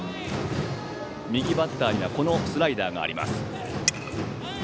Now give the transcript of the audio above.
右バッターにはスライダーがあります。